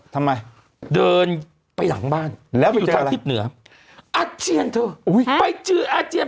ทำไมเดินไปหลังบ้านแล้วไปจีบเหนือเพิ่มเก็บไปเตืออาเจียน